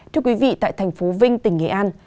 thưa quý vị tại thành phố vinh tỉnh nghệ an